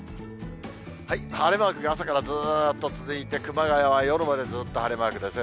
晴れマークが朝からずっと続いて、熊谷は夜までずっと晴れマークですね。